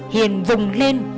hiền vùng lên